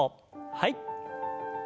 はい。